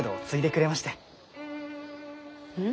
うん？